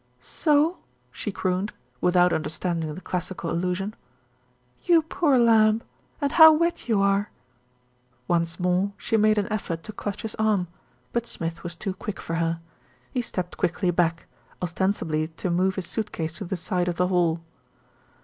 "So?" she crooned, without understanding the clas sical allusion. "You poor lamb, and how wet you are." Once more she made an effort to clutch his arm; but Smith was too quick for her. He stepped quickly back, ostensibly to move his suit case to theside.of the hall.